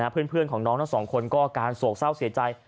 เพื่อนของน้องทั้งสองคนก็อาการโศกเศร้าเสียใจ